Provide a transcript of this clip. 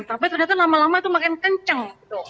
tapi ternyata lama lama itu makin kencang